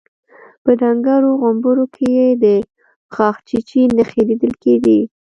په ډنګرو غومبرو کې يې د غاښچيچي نښې ليدل کېدې.